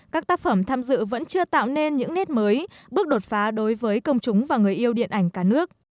các tác phẩm tham dự vẫn chưa tạo nên những nét mới bước đột phá đối với công chúng và người yêu điện ảnh cả nước